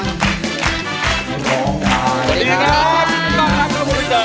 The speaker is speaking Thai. ร้องได้ให้ร้าน